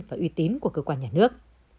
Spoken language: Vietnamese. và uy tín của cơ quan nhà nước